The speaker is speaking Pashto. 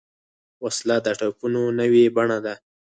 وسله د ټپونو نوې بڼه ده